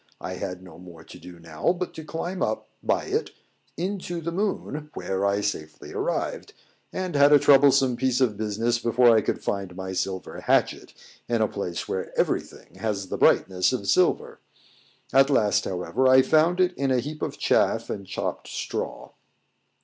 I had no more to do now but to climb up by it into the moon, where I safely arrived, and had a troublesome piece of business before I could find my silver hatchet, in a place where everything has the brightness of silver; at last, however, I found it in a heap of chaff and chopped straw.